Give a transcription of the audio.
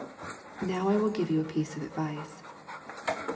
Now I will give you a piece of advice.